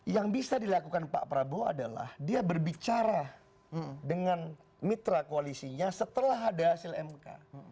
yang bisa dilakukan pak prabowo adalah dia berbicara dengan mitra koalisinya setelah ada hasil mk